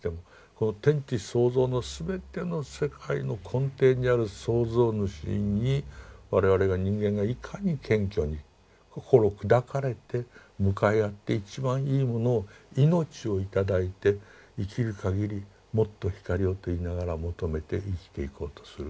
この天地創造の全ての世界の根底にある創造主に我々が人間がいかに謙虚に心を砕かれて向かい合って一番いいものを命を頂いて生きるかぎりもっと光をと言いながら求めて生きていこうとする。